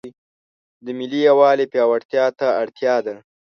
د ملي یووالي پیاوړتیا ته اړتیا ده.